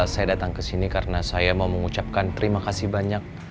saya datang ke sini karena saya mau mengucapkan terima kasih banyak